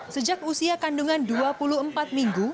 sejak usia kandungan dua puluh empat minggu